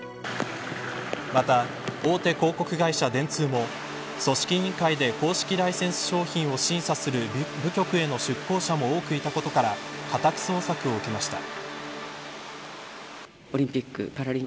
また、大手広告会社、電通も組織委員会で公式ライセンス商品を審査する部局への出向者も多くいたことから家宅捜索を受けました。